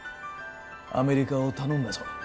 アメリカを頼んだぞ。